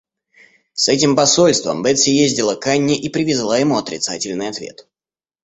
С этим посольством Бетси ездила к Анне и привезла ему отрицательный ответ.